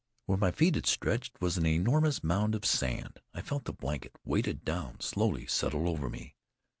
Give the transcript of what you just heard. Where my feet had stretched was an enormous mound of sand. I felt the blanket, weighted down, slowly settle over me.